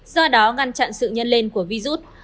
do đó ngăn chặn sự nhân lên của virus